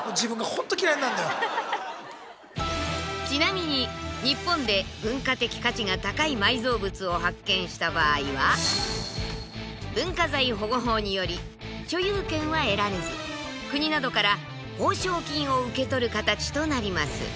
ちなみに日本で文化的価値が高い埋蔵物を発見した場合は文化財保護法により所有権は得られず国などから報奨金を受け取る形となります。